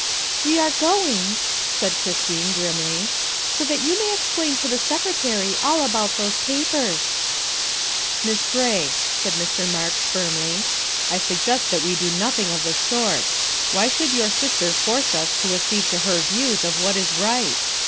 ''" We are going," said Christine grimly, " so that you may explain to the Secretary all about those papers." " Miss Gray," said Mr. Marks firmly, " I suggest that we do nothing of the sort. Why should your sister 21 322 THE WIFE OF force us to accede to her views of what is right?